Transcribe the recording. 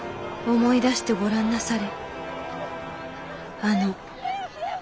思い出してごらんなされ。